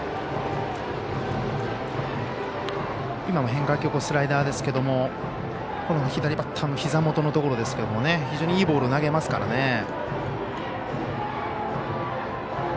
今も変化球スライダーですけれども左バッターのひざ元のところですが非常にいいボールを投げますからね。